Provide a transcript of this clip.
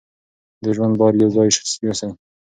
د ژوند بار یو ځای یوسئ.